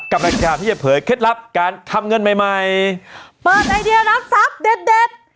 กำลังจะเผยเคล็ดลับการทำเงินใหม่ใหม่เปิดไอเดียรับทรัพย์เด็ดเด็ด